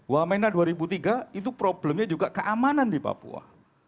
wamena dua ribu tiga itu problemnya juga keamanan di papua